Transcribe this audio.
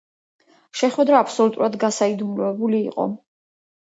შეხვედრა აბსოლუტურად გასაიდუმლოებული იყო.